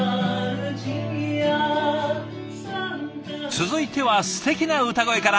続いてはすてきな歌声から。